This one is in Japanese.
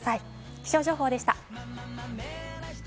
気象情報でした。